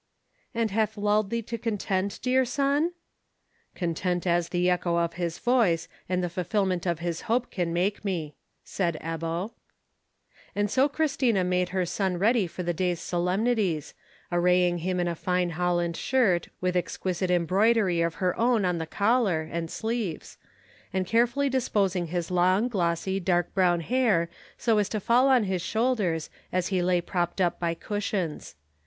"And hath lulled thee to content, dear son?" "Content as the echo of his voice and the fulfilment of his hope can make me," said Ebbo. And so Christina made her son ready for the day's solemnities, arraying him in a fine holland shirt with exquisite broidery of her own on the collar and sleeves, and carefully disposing his long glossy, dark brown hair so as to fall on his shoulders as he lay propped up by cushions.